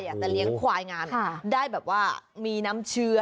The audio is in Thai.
อยากจะเลี้ยงควายงานได้แบบว่ามีน้ำเชื้อ